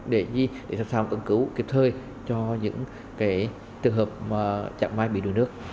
để gì để sẵn sàng tận cứu kịp thời cho những cái tường hợp mà chẳng mai bị đường nước